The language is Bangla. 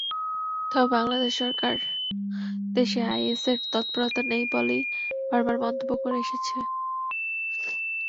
তবে বাংলাদেশ সরকার দেশে আইএসের তৎপরতা নেই বলেই বারবার মন্তব্য করে এসেছে।